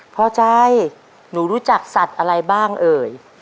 พอใจหนูรู้จักสัตว์อะไรบ้างเอ่ย